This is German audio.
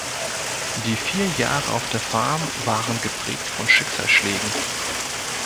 Die vier Jahre auf der Farm waren geprägt von Schicksalsschlägen.